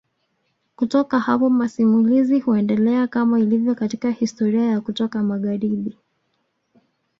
Kutoka hapo masimulizi huendelea kama ilivyo katika historia ya kutoka magharibi